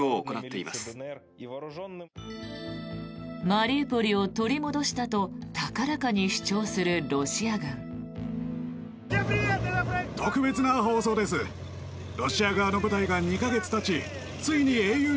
マリウポリを取り戻したと高らかに主張するロシア軍。